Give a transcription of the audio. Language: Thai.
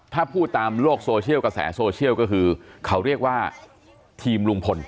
ถ้าพูดตามโลกโซเชียลกระแสโซเชียลก็คือเขาเรียกว่าทีมลุงพล